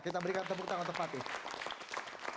kita berikan tepuk tangan untuk fatih